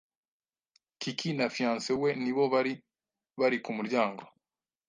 Kiki na Fiance we nibo bari bari ku muryango